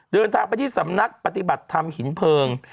เดินทางไปที่สำนักปฏิบัติธรรมหินเพลิง